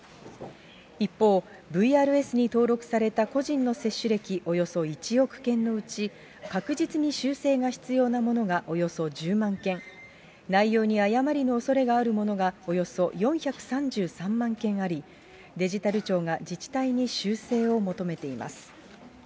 一方、ＶＲＳに登録された個人の接種歴およそ１億件のうち、確実に修正が必要なものがおよそ１０万件、内容に誤りのおそれのあるものがおよそ４３３万件あり、デジタル庁が自治体に修正を求めています。